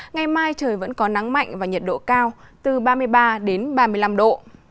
ngày mai trời vẫn có nắng mạnh và nhiệt độ cao từ ba mươi ba đến ba mươi năm độ